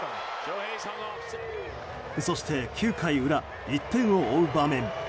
そして９回裏、１点を追う場面。